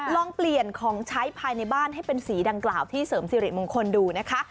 ลองเปลี่ยนของใช้ภายในบ้านให้เป็นสีดังกล่าวที่เสริมสิริมงคลดูนะคะ